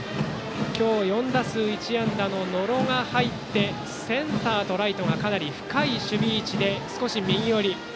今日４打数１安打の野呂が入ってセンターとライトがかなり深い守備位置で少し右寄り。